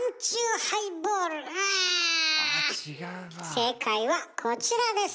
正解はこちらです。